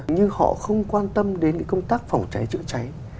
nhưng họ không quan tâm đến công tác phòng cháy chữa cháy